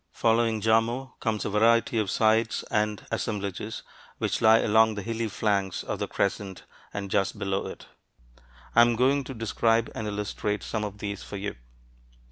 Following Jarmo comes a variety of sites and assemblages which lie along the hilly flanks of the crescent and just below it. I am going to describe and illustrate some of these for you.